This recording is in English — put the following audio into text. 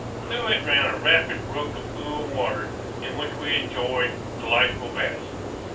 Through it ran a rapid brook of cool water, in which we enjoyed delightful baths.